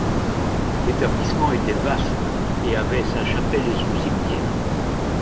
L’établissement était vaste et avait sa chapelle et son cimetière.